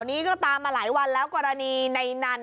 นี้ก็ตามมาหลายวันแล้วกรณีในนั้น